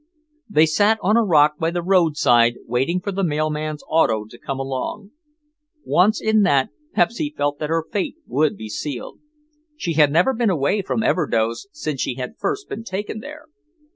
They sat on a rock by the roadside waiting for the mailman's auto to come along. Once in that Pepsy felt that her fate would be sealed. She had never been away from Everdoze since she had first been taken there.